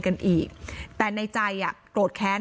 หนูจะให้เขาเซอร์ไพรส์ว่าหนูเก่ง